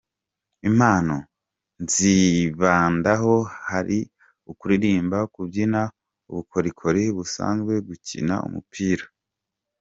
Impano nzibandaho hari ukuririmba, kubyina, ubukorikori busanzwe, gukina umupira,.